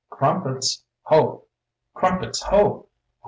Crumpets Ho, Crumpets Ho!